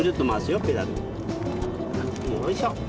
よいしょ。